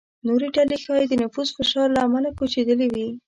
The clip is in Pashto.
نورې ډلې ښايي د نفوس فشار له امله کوچېدلې وي.